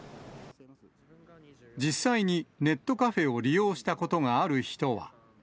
実際にネットカフェを利用したことがある人は。